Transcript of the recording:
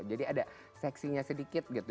jadi ada seksinya sedikit gitu